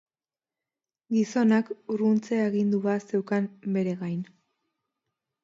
Gizonak urruntze agindua zeukan bere gain.